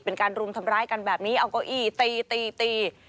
เป็นการรุมทำร้ายกันแบบนี้เอาเก้าอี้ตีตีตี